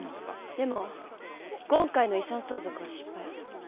でも今回の遺産相続は失敗。